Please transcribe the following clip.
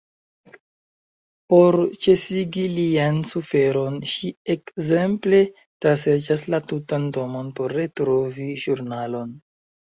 Por ĉesigi lian suferon ŝi ekzemple traserĉas la tutan domon por retrovi ĵurnalon.